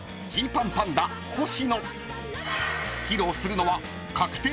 ［披露するのは］